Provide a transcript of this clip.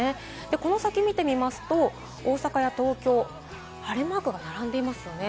この先見てみますと、大阪や東京、晴れマークが並んでいますよね。